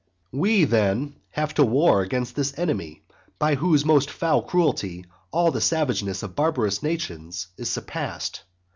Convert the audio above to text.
We, then, have to war against this enemy by whose most foul cruelty all the savageness of barbarous nations is surpassed.